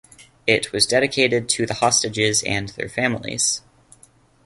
It was dedicated to the hostages and their families.